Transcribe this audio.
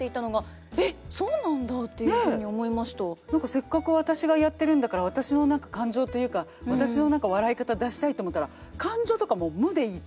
せっかく私がやってるんだから私の感情というか私の笑い方出したいと思ったら「感情とか無でいい」と。